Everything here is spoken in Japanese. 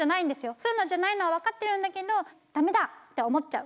そういうのじゃないのは分かってるんだけどダメだって思っちゃう。